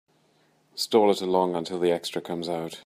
Stall it along until the extra comes out.